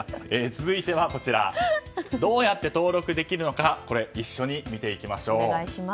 続いてはどうやって登録できるのか一緒に見ていきましょう。